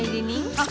あっ。